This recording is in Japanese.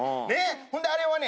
ほんであれはね